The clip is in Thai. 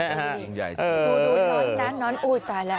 โอ้โฮน้อนตายแล้ว